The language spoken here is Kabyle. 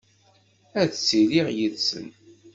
Ad ttiliɣ yid-sen.